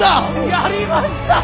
やりましたぁ！